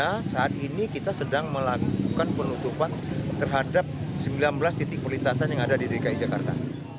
karena saat ini kita sedang melakukan penutupan terhadap sembilan belas titik perlintasan yang ada di dki jakarta